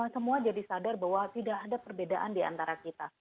semua jadi sadar bahwa tidak ada perbedaan diantara kita